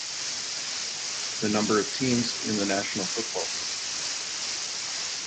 The number of teams in the National Football League.